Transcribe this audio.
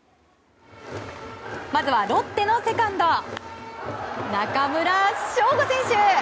まずはロッテのセカンド中村奨吾選手！